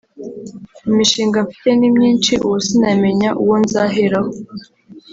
Imishinga mfite ni myinshi ubu sinamenya uwo nzaheraho